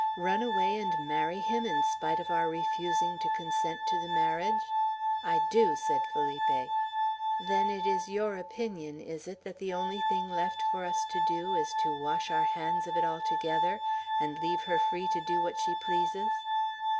"Run away and marry him, spite of our refusing to consent to the marriage?" "I do," said Felipe. "Then it is your opinion, is it, that the only thing left for us to do, is to wash our hands of it altogether, and leave her free to do what she pleases?"